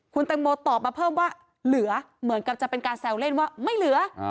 คุณแตงโมตอบมาเพิ่มว่าเหลือเหมือนกับจะเป็นการแซวเล่นว่าไม่เหลือ